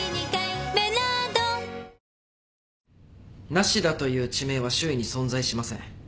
ナシダという地名は周囲に存在しません。